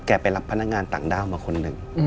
ไปรับพนักงานต่างด้าวมาคนหนึ่ง